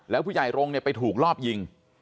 แล้วผู้ใหญ่รงค์เนี่ยไปถูกรอบยิง